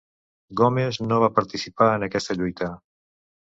Gomes no va participar en aquesta lluita.